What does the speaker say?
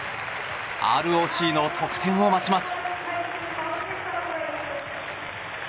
ＲＯＣの得点を待ちます。